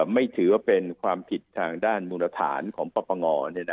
ไม่ถือว่าเป็นความผิดทางด้านมูลฐานของปปง